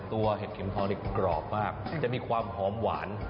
เห็ดเข็มทองนี่กรอบมากจะมีความหอมหวาน